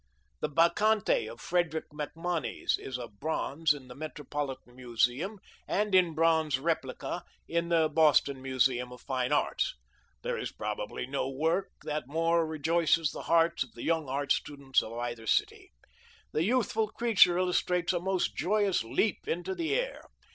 The Bacchante of Frederick MacMonnies is in bronze in the Metropolitan Museum and in bronze replica in the Boston Museum of Fine Arts. There is probably no work that more rejoices the hearts of the young art students in either city. The youthful creature illustrates a most joyous leap into the air.